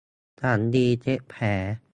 สำลีเช็ดแผล